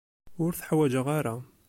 Ur t-ḥwaǧeɣ ara.